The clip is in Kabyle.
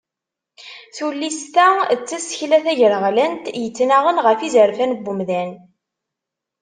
Tullist-a d tasekla tagreɣlant yettnaɣen ɣef yizerfan n umdan.